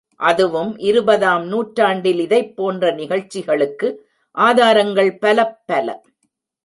அதுவும் இருபதாம் நூற்றாண்டில் இதைப்போன்ற நிகழ்ச்சிகளுக்கு ஆதாரங்கள் பலப் பல.